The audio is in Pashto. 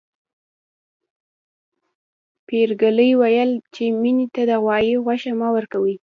پريګلې ويل چې مينې ته د غوايي غوښه مه ورکوئ